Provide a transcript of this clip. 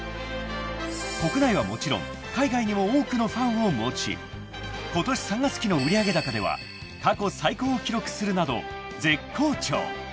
［国内はもちろん海外にも多くのファンを持ちことし３月期の売上高では過去最高を記録するなど絶好調］